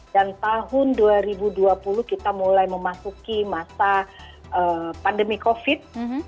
dan tahun dua ribu dua puluh kita mulai memasuki masa pandemi covid sembilan belas dua ribu dua puluh dua ribu dua puluh satu